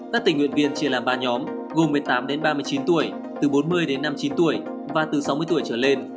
các tình nguyện viên chia làm ba nhóm gồm một mươi tám ba mươi chín tuổi từ bốn mươi đến năm mươi chín tuổi và từ sáu mươi tuổi trở lên